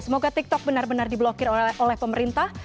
semoga tiktok benar benar di blokir oleh pemerintah